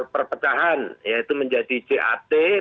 perpecahan yaitu menjadi jat